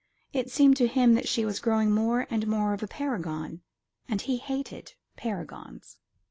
It seemed to him that she was growing more and more of a paragon; and he hated paragons.